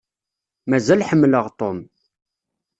Mazal ḥemmleɣ Tom.